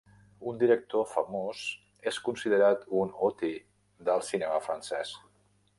Un director famós, és considerat un "auteur" del cinema francès.